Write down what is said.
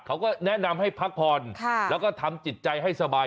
เขาก็แนะนำให้พักผ่อนแล้วก็ทำจิตใจให้สบาย